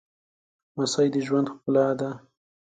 لمسی د ژوند ښکلا ده